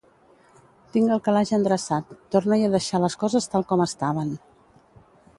Tinc el calaix endreçat: torna-hi a deixar les coses tal com estaven.